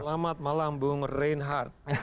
selamat malam bu reinhardt